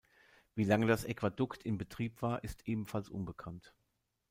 Wie lange das Aquädukt in Betrieb war, ist ebenfalls unbekannt.